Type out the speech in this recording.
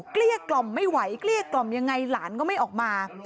เกลี้ยกล่อมไม่ไหวเกลี้ยกล่อมยังไงหลานก็ไม่ออกมา